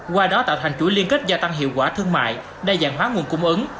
qua đó tạo thành chuỗi liên kết gia tăng hiệu quả thương mại đa dạng hóa nguồn cung ứng